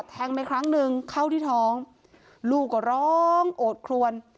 แทงไปครั้งหนึ่งเข้าที่ท้องลูกก็ร้องโอดคลวน